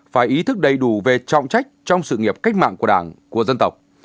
phải ý thức đầy đủ về trọng trách trong sự nghiệp cách mạng của đảng của dân tộc